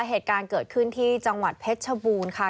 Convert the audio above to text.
เหตุการณ์เกิดขึ้นที่จังหวัดเพชรชบูรณ์ค่ะ